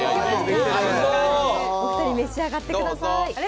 お二人、召し上がってください。